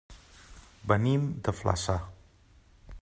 Venim de Flaçà.